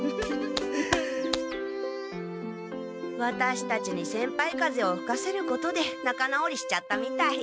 ワタシたちに先輩風をふかせることで仲直りしちゃったみたい。